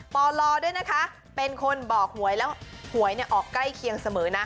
ปลด้วยนะคะเป็นคนบอกหวยแล้วหวยออกใกล้เคียงเสมอนะ